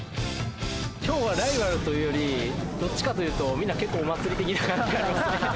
今日はライバルというよりどっちかというとみんな結構お祭り的な感覚ありますね・